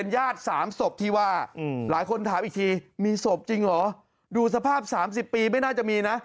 อยู่สภาพ๓๐ปีไม่น่าจะมีนะ